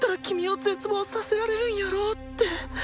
絶望させられるんやろうって。